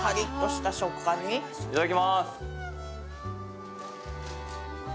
いただきます。